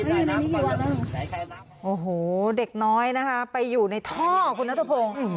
แต่น้องอ๋อโหเด็กน้อยนะคะไปอยู่ในท่อพูดมาโต้โพง